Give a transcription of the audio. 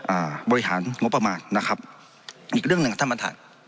อ่าบริหารงบประมาณนะครับอีกเรื่องหนึ่งครับท่านประธาน